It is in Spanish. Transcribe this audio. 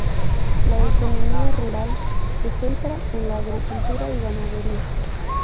La economía rural se centra en la agricultura y ganadería.